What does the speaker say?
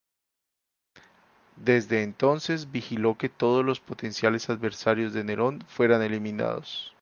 Desde entonces, vigiló que todos los potenciales adversarios de Nerón fueran eliminados.